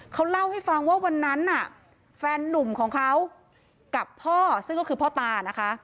เขาเล่าให้ฟังว่าวันนั้นน่ะแฟนนุ่มของเขากับพ่อซึ่งก็คือพ่อตานะคะ